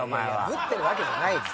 ぶってるわけじゃないです。